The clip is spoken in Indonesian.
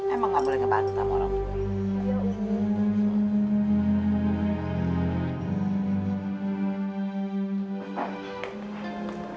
emang gak boleh kebantu sama orang tua